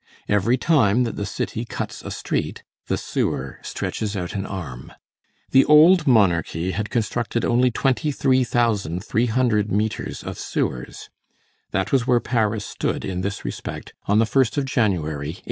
Every time that the city cuts a street, the sewer stretches out an arm. The old monarchy had constructed only twenty three thousand three hundred metres of sewers; that was where Paris stood in this respect on the first of January, 1806.